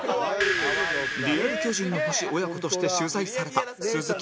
リアル『巨人の星』親子として取材された鈴木誠也でした